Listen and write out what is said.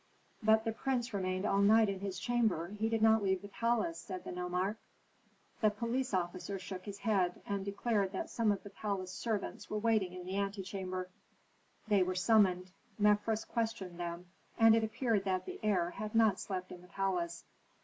"But the prince remained all night in his chamber; he did not leave the palace," said the nomarch. The police officer shook his head, and declared that some of the palace servants were waiting in the antechamber. They were summoned. Mefres questioned them, and it appeared that the heir had not slept in the palace.